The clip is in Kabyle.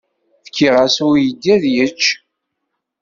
Fkiɣ-as i uydi ad yečč.